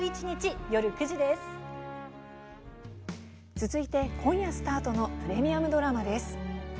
続いて、今夜スタートのプレミアムドラマです。